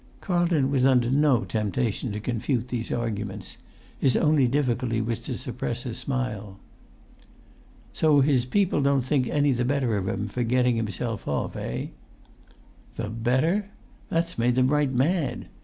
Carlton was under no temptation to confute these arguments; his only difficulty was to suppress a smile. "So his people don't think any the better of him for getting himself off, eh?" "The better? That's made them right mad!